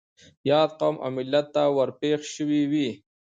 ياد قوم او ملت ته ور پېښ شوي وي.